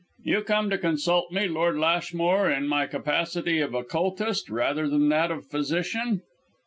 "You come to consult me, Lord Lashmore, in my capacity of occultist rather than in that of physician?"